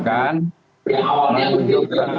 yang awalnya ujung